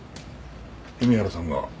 弓原さんが女と？